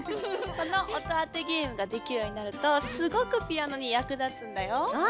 この音あてゲームができるようになるとすごくピアノにやくだつんだよ。